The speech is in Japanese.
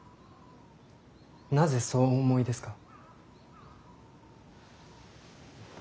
なぜそうお思いですか。